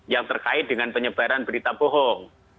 yang terkait dengan penyebaran berita bohong